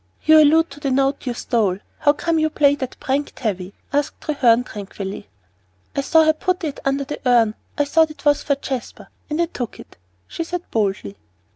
"You allude to the note you stole. How came you to play that prank, Tavie?" asked Treherne tranquilly. "I saw her put it under the urn. I thought it was for Jasper, and I took it," she said boldly.